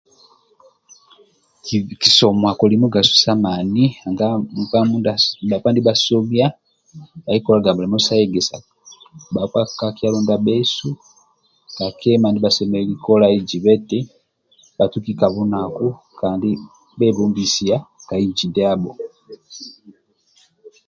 Soma kisomo akoli mugaso sa mani nanga nkpa bhakpa ndibha bhasomia bhalikolaga mulimo sa egesa bhakpa ka kyalo ndia bhesu ka kima ndia semelelu kolai zibe eti bhebombisia ja inji ndiabho